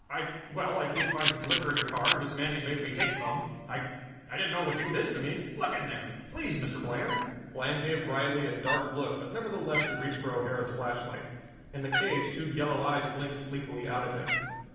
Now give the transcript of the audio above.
I well, I did find some liquor in your car, and Miss Manion made me take some. I I didn't know it would do this to me. Look in there; please, Mr. Bland!" Bland gave Riley a dark look, but nevertheless he reached for O'Hara's flashlight. In the cage two yellow eyes blinked sleepily out at him.